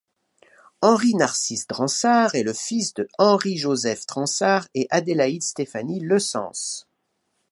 Henri-Narcisse Dransart est le fils de Henri Joseph Dransart et Adélaide Stéphanie Lesens.